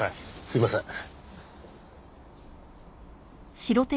すみません。